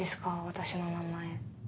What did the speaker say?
私の名前。